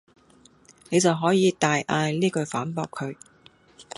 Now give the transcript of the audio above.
你就可以大嗌呢句反駁佢